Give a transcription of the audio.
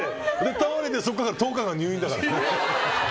倒れてそこから１０日間入院だから。